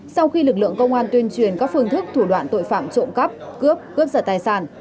sau khi lực lượng công an tuyên truyền các phương thức thủ đoạn tội phạm trộm cắp cướp cướp giật tài sản